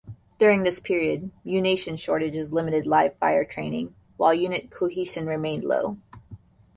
During this period, munition shortages limited live fire training, while unit cohesion remained low.